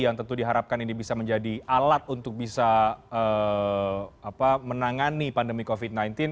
yang tentu diharapkan ini bisa menjadi alat untuk bisa menangani pandemi covid sembilan belas